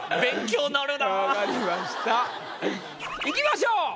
いきましょう。